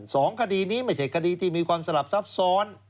สองคดีนี้ไม่ใช่คดีที่มีความสลับซับซ้อน